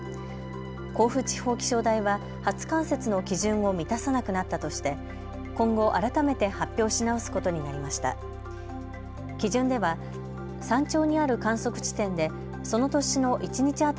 甲府地方気象台は初冠雪の基準を満たさなくなったとして今後、改めて発表し直すことになりました。